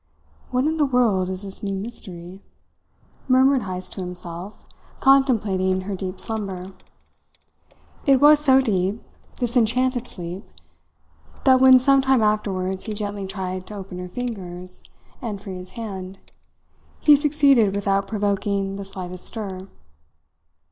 "What in the world is this new mystery?" murmured Heyst to himself, contemplating her deep slumber. It was so deep, this enchanted sleep, that when some time afterwards he gently tried to open her fingers and free his hand, he succeeded without provoking the slightest stir.